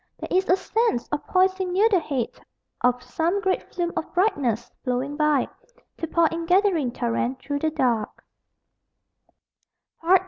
There is a sense of poising near the head Of some great flume of brightness, flowing by To pour in gathering torrent through the dark.